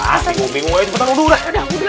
ah bingung bingung aja cepetan mundur dah